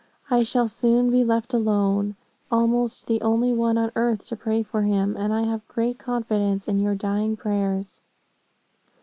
I shall soon be left alone, almost the only one on earth to pray for him, and I have great confidence in your dying prayers.'